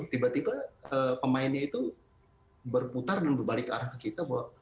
tiba tiba pemainnya itu berputar dan berbalik ke arah kita